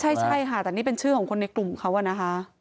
ใช่ค่ะแต่นี่เป็นชื่อของคนในกลุ่มเขาอะนะคะ